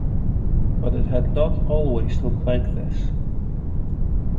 But it had not always looked like this.